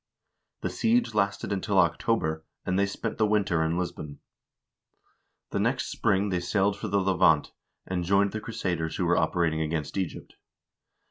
The siege lasted until October, and they spent the winter in Lisbon. The next spring they sailed for the Levant, and joined the crusaders who were operating against Egypt.